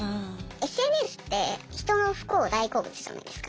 ＳＮＳって人の不幸大好物じゃないですか。